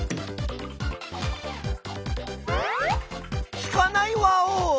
つかないワオ！